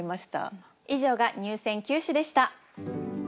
以上が入選九首でした。